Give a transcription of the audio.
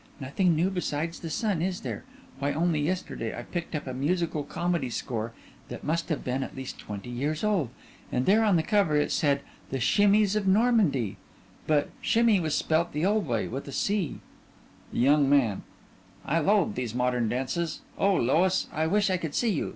Nothing new besides the sun, is there? Why only yesterday I picked up a musical comedy score that must have been at least twenty years old; and there on the cover it said "The Shimmies of Normandy," but shimmie was spelt the old way, with a "C." THE YOUNG MAN: I loathe these modern dances. Oh, Lois, I wish I could see you.